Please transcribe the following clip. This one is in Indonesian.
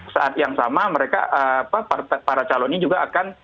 saat yang sama mereka para calonnya juga akan